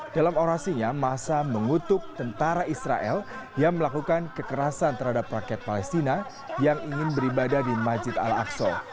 dalam orasinya masa mengutuk tentara israel yang melakukan kekerasan terhadap rakyat palestina yang ingin beribadah di masjid al aqsa